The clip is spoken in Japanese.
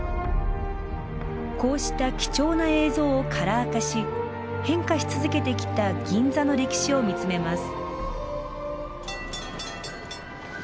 こうした貴重な映像をカラー化し変化し続けてきた銀座の歴史を見つめます。